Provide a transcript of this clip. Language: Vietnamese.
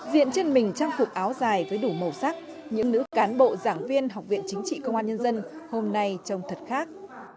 diện trên mình trang phục áo dài với đủ màu sắc những nữ cán bộ giảng viên học viện chính trị công an nhân dân hôm nay trông thật khác